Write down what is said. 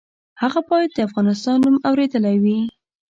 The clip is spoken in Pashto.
هغه باید د افغانستان نوم اورېدلی وي.